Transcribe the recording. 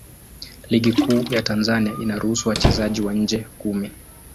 Ligi Kuu ya Tanzania inaruhusu wachezaji wa nje kumi.